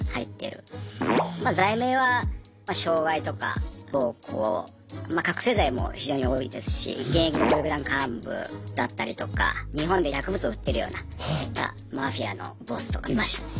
ま罪名は傷害とか暴行ま覚醒剤も非常に多いですし現役の暴力団幹部だったりとか日本で薬物を売ってるようなそういったマフィアのボスとかいましたね。